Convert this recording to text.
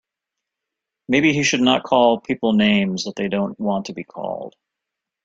Maybe he should not call people names that they don't want to be called.